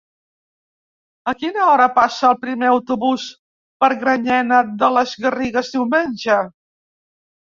A quina hora passa el primer autobús per Granyena de les Garrigues diumenge?